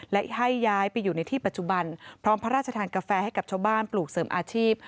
และให้ย้ายไปอยู่ในที่ปัจจุบันพร้อมพระราชทานกาแฟให้กับชาวบ้านปลูกเสริมอาชีพ